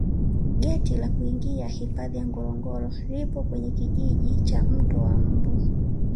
geti la kuingia hifadhi ya ngorongoro lipo kwenye kijiji cha mto wa mbu